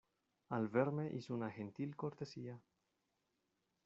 al verme hizo una gentil cortesía